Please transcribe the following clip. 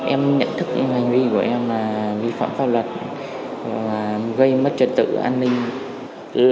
em nhận thức những hành vi của em là vi phạm pháp luật gây mất trật tự an ninh